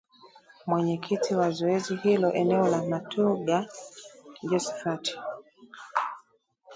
Mwenyekiti wa zoezi hilo eneo la Matuga Josphat